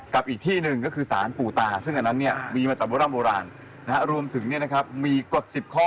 กับอีกที่หนึ่งก็คือสารปู่ตาซึ่งอันนั้นเนี่ยมีมาตรบร่างนะฮะรวมถึงเนี่ยนะครับมีกฎสิบข้อ